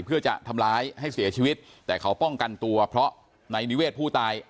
เพื่อจะทำร้ายให้เสียชีวิตแต่เขาป้องกันตัวเพราะในนิเวศผู้ตาย